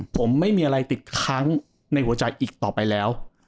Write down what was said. ผมไม่มีอะไรติดค้างในหัวใจอีกต่อไปแล้ว